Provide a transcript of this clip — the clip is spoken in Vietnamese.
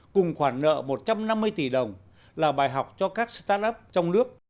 cùng khoản nợ một trăm năm mươi tỷ đồng là bài học cho các start up trong nước